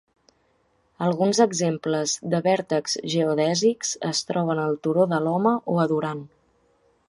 Alguns exemples de vèrtex geodèsics es troben al Turo de l'Home o a Duran.